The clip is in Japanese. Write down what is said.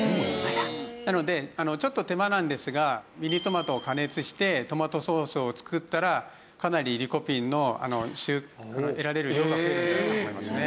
なのでちょっと手間なんですがミニトマトを加熱してトマトソースを作ったらかなりリコピンの得られる量が増えるんじゃないかと思いますね。